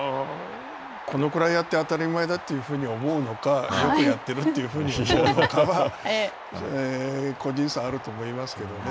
このくらいやって当たり前だというふうに思うのか、よくやってるというふうに思うのかは、個人差はあると思いますけどね。